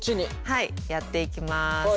はいやっていきます。